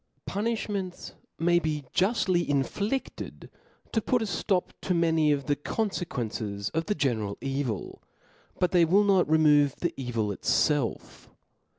Punifliments maybe juftly inflifted to put a flop to many of the confequences of the general evil, but they will not remove the evil itfelf.